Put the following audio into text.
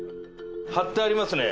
貼ってありますね